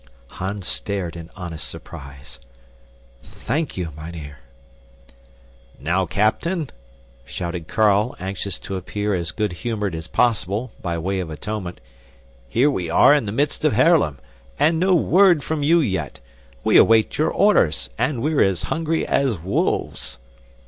Hans stared in honest surprise. "Thank you, mynheer." "Now, captain," shouted Carl, anxious to appear as good humored as possible, by way of atonement, "here we are in the midst of Haarlem, and no word from you yet. We await your orders, and we're as hungry as wolves."